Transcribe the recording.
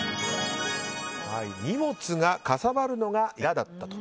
荷物がかさばるのが嫌だったと。